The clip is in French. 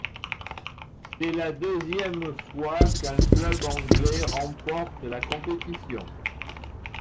C'est la deuxième fois qu'un club anglais remporte la compétition.